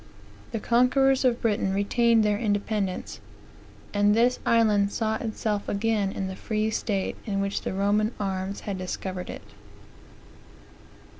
The conquerors of Britain retained their independence; and this island saw itself again in that free state in which the Roman arms had discovered it.